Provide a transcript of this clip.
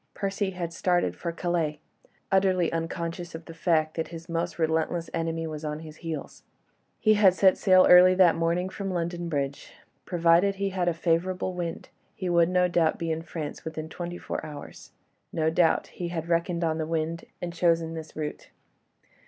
Percy had started for Calais, utterly unconscious of the fact that his most relentless enemy was on his heels. He had set sail early that morning from London Bridge. Provided he had a favourable wind, he would no doubt be in France within twenty four hours; no doubt he had reckoned on the wind and chosen this route.